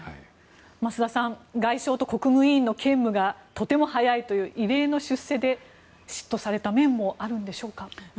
増田さん外相と国務委員の兼務がとても早いという異例の出世で嫉妬された面もあるんでしょうか。